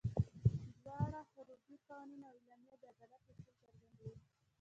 دواړه، حموربي قوانین او اعلامیه، د عدالت اصول څرګندوي.